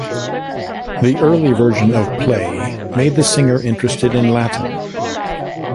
The early version of "Play" made the singer interested in Latin.